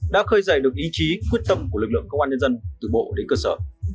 đã khơi dày được ý chí quyết tâm của lực lượng công an nhân dân từ bộ đến cơ sở